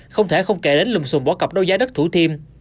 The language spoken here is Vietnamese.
không thể không kể đến lùm xùm bỏ cặp đôi giá đất thủ thiêm